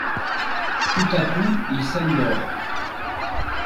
Tout à coup, il s'endort.